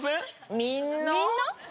みんな？